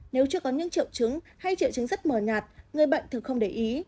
nếu chưa có những triệu chứng hay triệu chứng rất mờ nhạt người bệnh thường không để ý